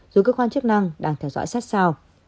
dù cơ quan chức năng đang theo dõi sát sao